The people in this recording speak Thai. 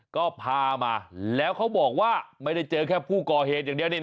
ก็พามาแล้วเขาบอกว่าไม่ได้เจอแค่ผู้ก่อเหตุอย่างเดียว